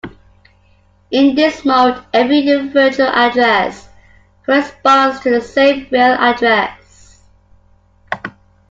In this mode every virtual address corresponds to the same real address.